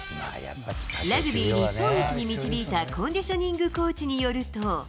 ラグビー日本一に導いたコンディショニングコーチによると。